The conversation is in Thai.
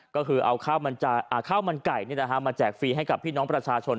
ก็คือเอาข้าวมันไก่มาแจกฟรีให้กับพี่น้องประชาชน